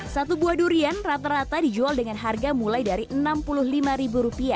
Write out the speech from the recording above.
satu buah durian rata rata dijual dengan harga mulai dari rp enam puluh lima